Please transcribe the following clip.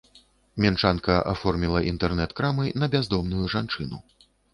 Мінчанка аформіла інтэрнэт-крамы на бяздомную жанчыну.